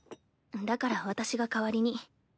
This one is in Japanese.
だから私が代わりに。